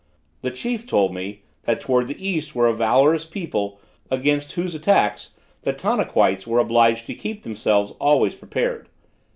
The chief told me, that towards the east were a valorous people, against whose attacks, the Tanaquites were obliged to keep themselves always prepared.